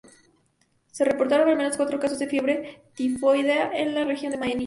Se reportaron al menos cuatro casos de Fiebre Tifoidea en la región de Manica.